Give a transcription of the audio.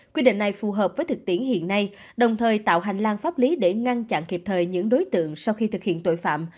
quy định này phù hợp với thực tiễn hiện nay đồng thời tạo hành lang pháp lý để ngăn chặn kịp thời những đối tượng sau khi thực hiện tội phạm